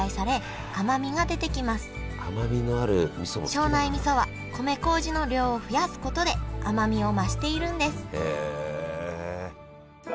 庄内みそは米こうじの量を増やすことで甘みを増しているんですへえ！